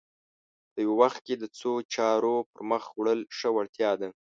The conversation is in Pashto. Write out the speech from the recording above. په یوه وخت کې د څو چارو پر مخ وړل ښه وړتیا ده